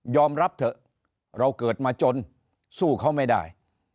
รับเถอะเราเกิดมาจนสู้เขาไม่ได้